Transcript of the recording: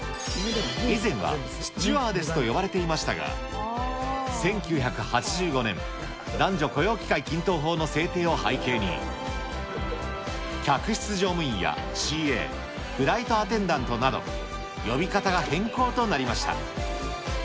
以前はスチュワーデスと呼ばれていましたが、１９８５年、男女雇用機会均等法の制定を背景に、客室乗務員やＣＡ、フライトアテンダントなど、呼び方が変更となりました。